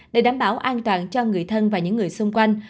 để đảm bảo an toàn cho người thân và những người xung quanh